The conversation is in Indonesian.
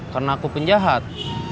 karena aku penjahat